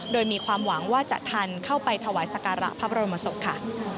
โดยมีความหวังว่าจะทันเข้าไปถวายสการะพระบรมศพค่ะ